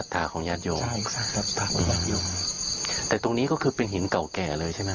ตรงนี้เป็นหินเก่าแก่